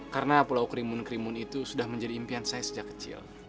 karena pulau kerimun kerimun itu sudah menjadi impian saya sejak kecil